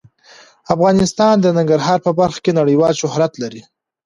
افغانستان د ننګرهار په برخه کې نړیوال شهرت لري.